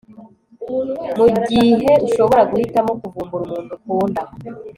Mugihe ushobora guhitamo kuvumbura umuntu ukunda